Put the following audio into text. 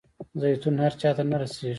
زیتون هر چاته نه رسیږي.